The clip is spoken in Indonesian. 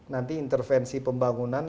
nanti intervensi pembangunan